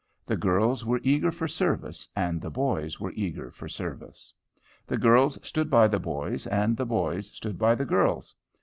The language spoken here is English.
The girls were eager for service, and the boys were eager for service. The girls stood by the boys, and the boys stood by the girls.